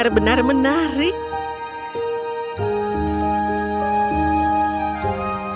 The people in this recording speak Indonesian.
semua orang mulai men